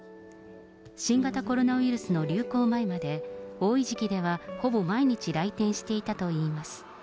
新型コロナウイルスの流行前まで、多い時期ではほぼ毎日来店していたといいます。